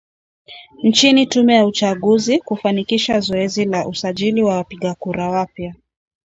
nchini tume ya uchaguzi kufanikisha zoezi la usajili wa wapiga kura wapya